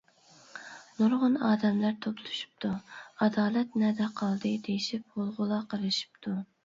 نۇرغۇن ئادەملەر توپلىشىپتۇ، ئادالەت نەدە قالدى دېيىشىپ غۇلغۇلا قىلىشىپتۇ.